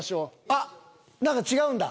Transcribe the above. あっ何か違うんだ。